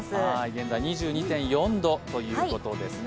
現在２２．４度ということですね。